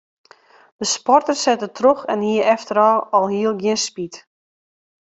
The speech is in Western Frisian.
De sporter sette troch en hie efterôf alhiel gjin spyt.